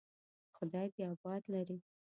خدای دې آباد لري.